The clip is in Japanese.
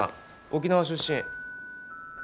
沖縄出身。